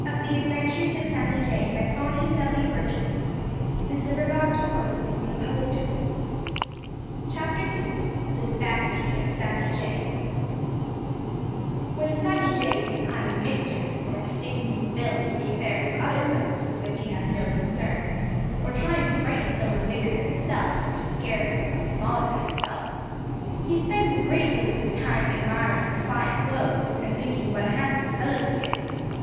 It was a dreadful quarrel, and all the little forest people who were within hearing stopped their ears. *III* *THE VANITY OF SAMMY JAY* When Sammy Jay isn't planning mischief, or sticking his bill into the affairs of other folks with which he has no concern, or trying to frighten some one bigger than himself or scare some one smaller than himself, he spends a great deal of his time admiring his fine clothes and thinking what a handsome fellow he is.